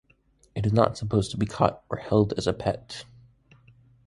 It is not supposed to be caught or held as pet.